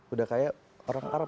udah kayak orang arab